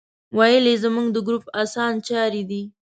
ویل یې زموږ د ګروپ اسانچاری دی.